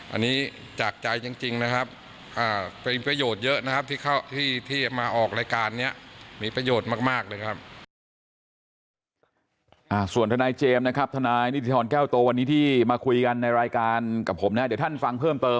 อันนี้จากใจจริงนะครับเป็นประโยชน์เยอะนะครับที่มาออกรายการนี้